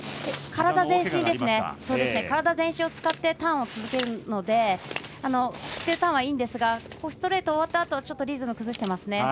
体、全身を使ってターンを続けるのでターンはいいんですがストレート終わったあとちょっとリズム崩してますね。